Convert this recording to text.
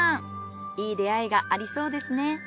いい出会いがありそうですね。